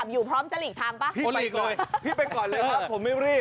อยู่พร้อมจะหลีกทำป่ะพี่ไปก่อนเลยครับผมไม่รีบ